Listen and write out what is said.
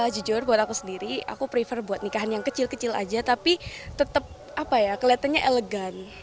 jujur buat aku sendiri aku prefer buat nikahan yang kecil kecil aja tapi tetap apa ya kelihatannya elegan